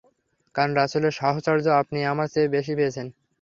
কারণ রাসূলের সাহচর্য আপনি আমার চেয়ে বেশী পেয়েছেন।